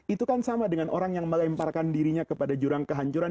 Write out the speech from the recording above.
itu kan sama dengan orang yang melemparkan dirinya kepada jurang kehancuran